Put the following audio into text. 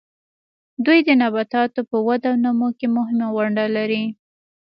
دوی د نباتاتو په وده او نمو کې مهمه ونډه لري.